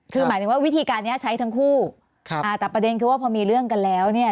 คือหมายถึงว่าวิธีการเนี้ยใช้ทั้งคู่ครับอ่าแต่ประเด็นคือว่าพอมีเรื่องกันแล้วเนี่ย